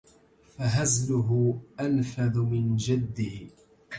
فهزلُه أَنفذُ مِن جَدِّه